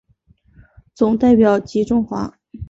总代表吉钟华。